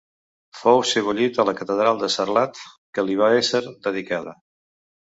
Fou sebollit a la Catedral de Sarlat, que li va ésser dedicada.